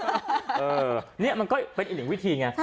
เออนี่มันก็เป็นอีกหนึ่งวิธีไง